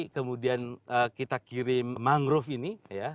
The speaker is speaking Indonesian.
kemudian kita kirim mangrove ini